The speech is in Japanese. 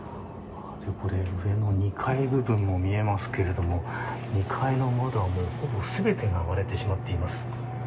上の２階部分も見えますけれども２階の窓はほぼ全てが割れてしまっています。